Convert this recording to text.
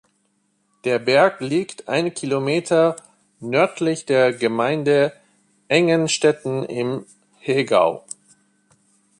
Der Berg liegt ein Kilometer nördlich der Gemeinde Engen-Stetten im Hegau.